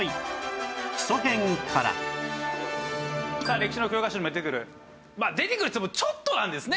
歴史の教科書にも出てくるまあ出てくるって言ってもちょっとなんですね